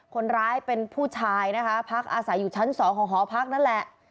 คนร้ายเป็นผู้ชายนะคะพักอาศัยอยู่ชั้น๒ของหอพักนั่นแหละ